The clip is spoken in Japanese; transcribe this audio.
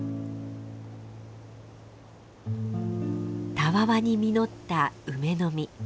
たわわに実った梅の実。